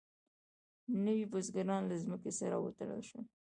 نوي بزګران له ځمکې سره وتړل شول.